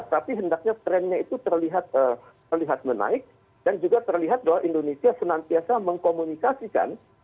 tapi hendaknya trennya itu terlihat menaik dan juga terlihat bahwa indonesia senantiasa mengkomunikasikan